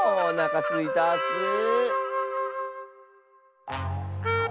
おなかすいたッス。